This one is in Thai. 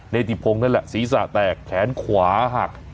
นิติพงศ์นั่นแหละศีรษะแตกแขนขวาหัก